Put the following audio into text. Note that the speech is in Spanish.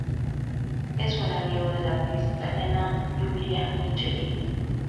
Es buen amigo de la actriz italiana Giulia Michelini.